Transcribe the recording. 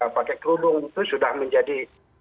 pakai kerudung itu sudah menjadi